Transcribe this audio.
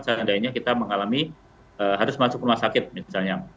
seandainya kita mengalami harus masuk rumah sakit misalnya